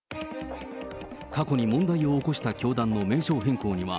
過去に問題を起こした教団の名称変更には、